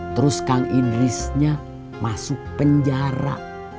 terus kang idrisnya masuk penjara